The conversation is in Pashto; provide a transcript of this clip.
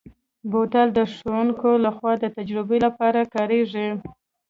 بوتل د ښوونکو لخوا د تجربو لپاره کارېږي.